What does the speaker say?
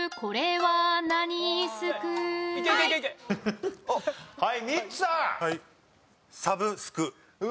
はい。